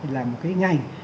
là một cái ngành